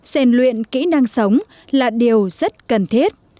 xen luyện kỹ năng sống là điều rất cần thiết